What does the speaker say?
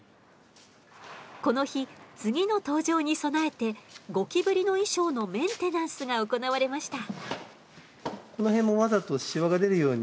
この日次の登場に備えてゴキブリの衣装のメンテナンスが行われました。